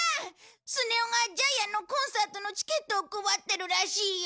スネ夫がジャイアンのコンサートのチケットを配ってるらしいよ。